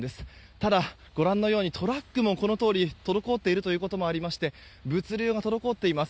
ただ、ご覧のようにトラックも滞っているということもあって物流が滞っています。